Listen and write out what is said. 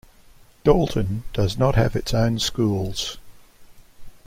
Dalton does not have its own schools.